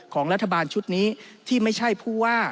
ของรัฐบาลชุดนี้ที่ไม่ใช่ผู้ว่า